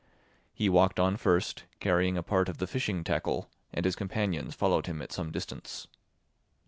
He walked on first, carrying a part of the fishing tackle, and his companions followed him at some distance.